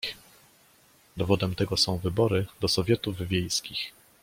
"Dowodem tego są wybory do sowietów wiejskich."